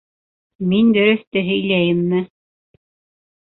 Мин дөрөҫтө һөйләйемме?